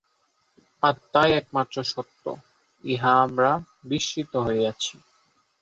আত্মাই একমাত্র সত্য, ইহা আমরা বিস্মৃত হইয়াছি।